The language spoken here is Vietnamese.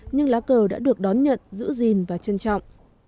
nhưng mà nó vẫn là một tình cảm tự hào của dân tộc